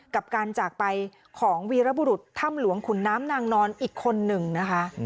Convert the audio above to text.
กับการจากไปของวีรบุรุษถ้ำหลวงขุนน้ำนางนอนอีกคนหนึ่งนะคะ